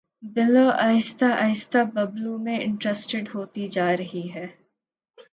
بلو آہستہ آہستہ ببلو میں انٹرسٹیڈ ہوتی جا رہی ہے